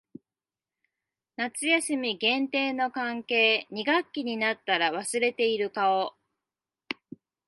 夏休み限定の関係。二学期になったら忘れている顔。